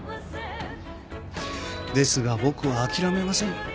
ですが僕は諦めません。